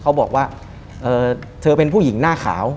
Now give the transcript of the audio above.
เขาบอกว่าเธอเป็นผู้หญิงหน้าขาว